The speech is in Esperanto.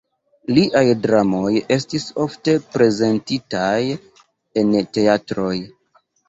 Liaj dramoj estis ofte prezentitaj en teatroj.